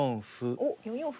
おっ４四歩。